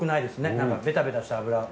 なんかベタベタした脂。